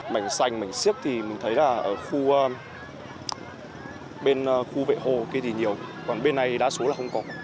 mảnh xanh mảnh xiếc thì mình thấy là ở khu vệ hồ kia thì nhiều còn bên này thì đa số là không có